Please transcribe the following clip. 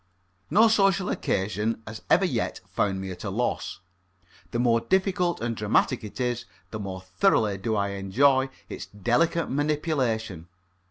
No social occasion has ever yet found me at a loss. The more difficult and dramatic it is, the more thoroughly do I enjoy its delicate manipulation.